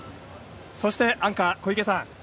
そしてアンカー、小池さん